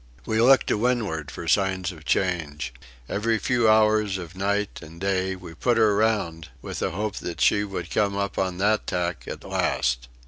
We looked to windward for signs of change. Every few hours of night and day we put her round with the hope that she would come up on that tack at last!